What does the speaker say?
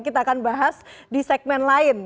kita akan bahas di segmen lain